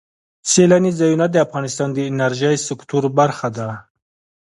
سیلاني ځایونه د افغانستان د انرژۍ سکتور برخه ده.